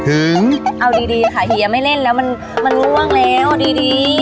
เอาดีดีค่ะเฮียไม่เล่นแล้วมันง่วงแล้วดีดี